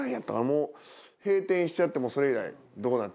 もう閉店しちゃってそれ以来どうなってるか。